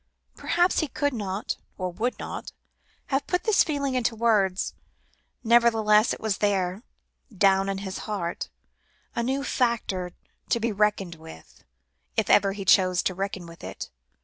Perhaps he could not, or would not, have put this feeling into words, nevertheless, it was there, far down in his heart, a new factor to be reckoned with, if ever he chose to reckon with it.